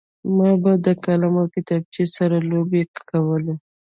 ما به د قلم او کتابچې سره لوبې کولې